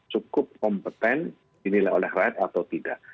cukup kompeten dinilai oleh rakyat atau tidak